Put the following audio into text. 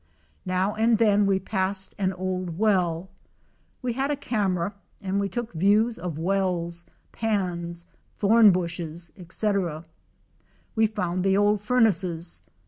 Now and then we passed an old well. We had a camera and we took views of wells, pans, thora bushes, etc. We found the old furnaces.